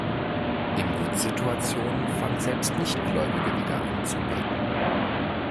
In Notsituationen fangen selbst Nichtgläubige wieder an, zu beten.